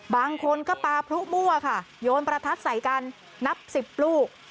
บางคนก็ปลาพลุมั่วค่ะโยนประทัดใส่กันนับสิบลูก